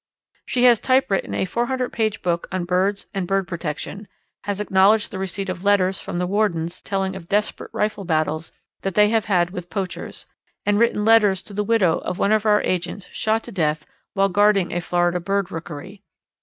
She has typewritten a four hundred page book on birds and bird protection, has acknowledged the receipt of letters from the wardens telling of desperate rifle battles that they have had with poachers, and written letters to the widow of one of our agents shot to death while guarding a Florida bird rookery.